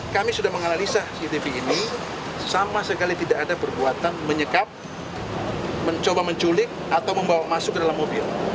kami sudah menganalisa cctv ini sama sekali tidak ada perbuatan menyekap mencoba menculik atau membawa masuk ke dalam mobil